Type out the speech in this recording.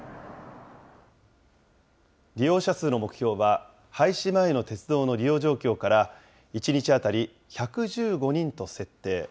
利用者数の目標は、廃止前の鉄道の利用状況から１日当たり１１５人と設定。